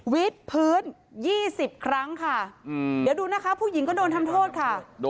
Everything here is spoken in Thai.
พื้น๒๐ครั้งค่ะเดี๋ยวดูนะคะผู้หญิงก็โดนทำโทษค่ะ